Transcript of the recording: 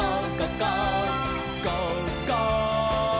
「ゴーゴー！」